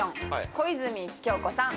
小泉今日子さん。